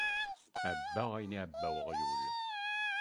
Ɛebbaɣ ayen iεebba uɣyul.